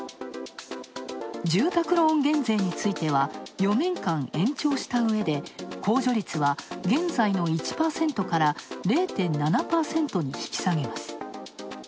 住宅ローン減税については、４年間延長したうえで控除率は現在の１％から０．７％に引き下げます。